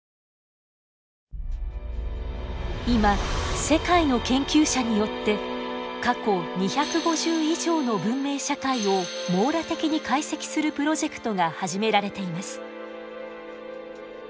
今世界の研究者によって過去２５０以上の文明社会を網羅的に解析するプロジェクトが始められています。